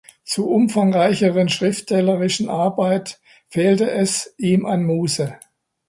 Zu umfangreicheren schriftstellerischen Arbeit fehlte es ihm an Muße.